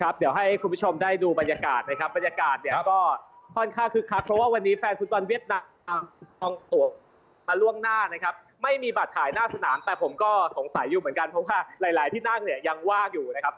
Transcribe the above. ครับเดี๋ยวให้คุณผู้ชมได้ดูบรรยากาศนะครับบรรยากาศเนี่ยก็ค่อนข้างคึกคักเพราะว่าวันนี้แฟนฟุตบอลเวียดนามทองออกมาล่วงหน้านะครับไม่มีบัตรถ่ายหน้าสนามแต่ผมก็สงสัยอยู่เหมือนกันเพราะว่าหลายที่นั่งเนี่ยยังว่างอยู่นะครับ